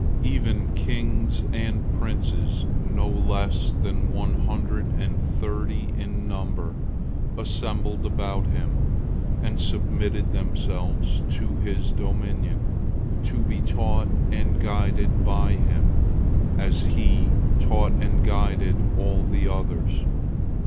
Even kings and princes, no less than one hundred and thirty in number, assembled about him, and submitted themselves to his dominion, to be taught and guided by him, as he taught and guided all the others.